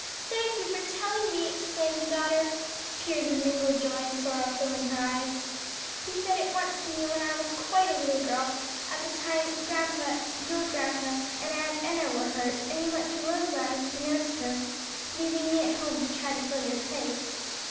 Thank you for telling me," exclaimed the daughter, tears of mingled joy and sorrow filling her eyes. "He said it once to me, when I was quite a little girl at the time grandpa your grandpa and Aunt Enna were hurt, and you went to Roselands to nurse her, leaving me at home to try to fill your place.